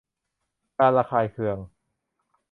การระคายเคือง